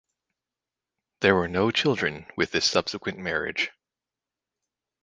There were no children with this subsequent marriage.